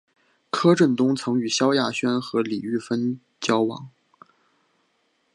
柯震东曾与萧亚轩和李毓芬交往。